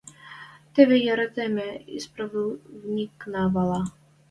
Тӹве яратымы исправникнӓ вала.